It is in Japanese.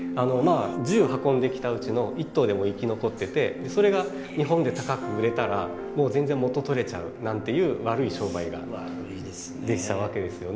１０運んできたうちの１頭でも生き残っててそれが日本で高く売れたらもう全然元取れちゃうなんていう悪い商売ができちゃうわけですよね。